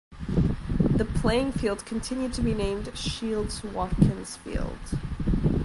The playing field continued to be named Shields-Watkins field.